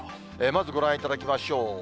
まず、ご覧いただきましょう。